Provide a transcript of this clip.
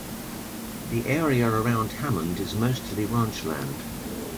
The area around Hammond is mostly ranchland.